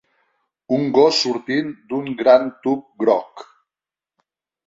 Un gos sortint d'un gran tub groc